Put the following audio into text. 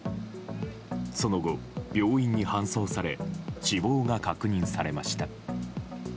その後、病院に搬送され死亡が確認されました。